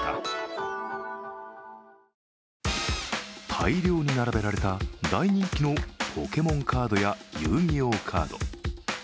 大量に並べられた大人気のポケモンカードや遊戯王カード。